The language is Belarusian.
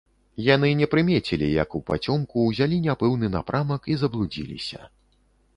Яны не прымецілі, як упацёмку ўзялі няпэўны напрамак і заблудзіліся.